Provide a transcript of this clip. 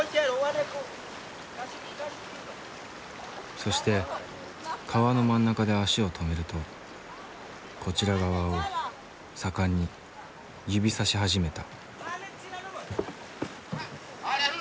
そして川の真ん中で足を止めるとこちら側を盛んに指さし始めた。